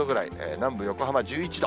南部、横浜１１度。